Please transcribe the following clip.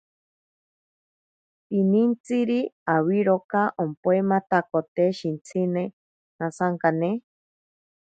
Pinintsiri awiroka ompaimatakote shintsine nasankane.